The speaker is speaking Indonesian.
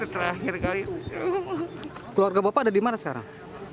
terakhir kali keluarga bapak ada di mana sekarang